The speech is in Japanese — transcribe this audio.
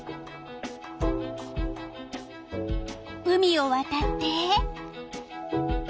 海をわたって。